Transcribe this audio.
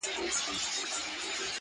• ته یې لور د شراب، زه مست زوی د بنګ یم.